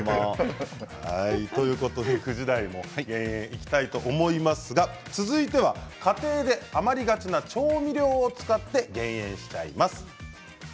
９時台もいきたいと思いますが続いては家庭で余りがちな調味料を使って減塩します。